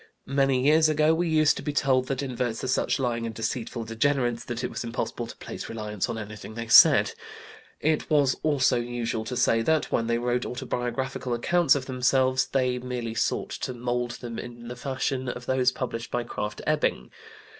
Many years ago we used to be told that inverts are such lying and deceitful degenerates that it was impossible to place reliance on anything they said. It was also usual to say that when they wrote autobiographical accounts of themselves they merely sought to mold them in the fashion of those published by Krafft Ebing.